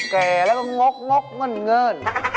แก่แล้วก็ง็อกเงินเงิน